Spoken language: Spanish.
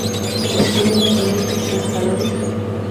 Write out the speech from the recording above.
Estudió en el Colegio Pestalozzi.